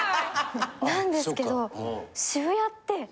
なんですけど。